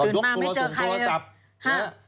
ตื่นมาไม่เจอใครเลย